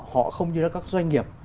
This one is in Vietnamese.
họ không như là các doanh nghiệp